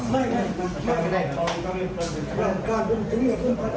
ไม่ได้ไม่ได้